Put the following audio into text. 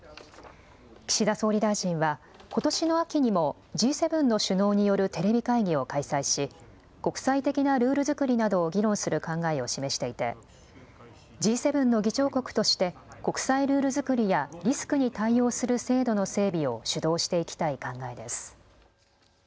岸田総理大臣はことしの秋にもＧ７の首脳によるテレビ会議を開催し国際的なルール作りなどを議論する考えを示していてＧ７の議長国として国際ルール作りやリスクに対応する制度の整備を主導していきたい考えです。